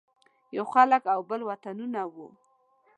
یو خلک او بل وطنونه وو.